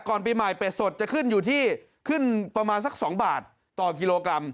ปีใหม่เป็ดสดจะขึ้นอยู่ที่ขึ้นประมาณสัก๒บาทต่อกิโลกรัม